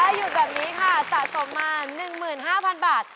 ถ้าหยุดแบบนี้ค่ะสะสมมา๑๕๐๐๐บาท